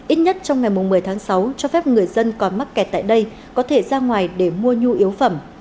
ít nhất trong ngày một mươi tháng sáu cho phép người dân còn mắc kẹt tại đây có thể ra ngoài để mua nhu yếu phẩm